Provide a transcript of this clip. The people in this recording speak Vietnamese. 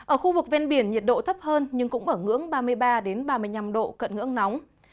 ở khu vực ven biển nhiệt độ thấp hơn nhưng cũng ở ngưỡng ba mươi ba ba mươi năm độ cận ngưỡng nóng